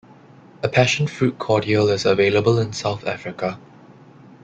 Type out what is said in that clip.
A passion fruit cordial is available in South Africa.